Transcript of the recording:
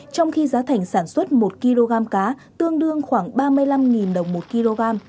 trong khi giá thành sản xuất một kg cá tương đương khoảng ba mươi năm đồng một kg